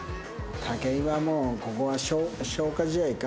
武井はもうここは消化試合か。